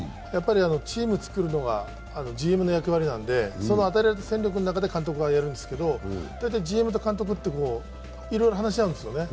チーム作るのがＧＭの役割なので、その与えられた戦力の中で監督はやるんですけど大体ＧＭと監督っていろいろ話し合うんですよね。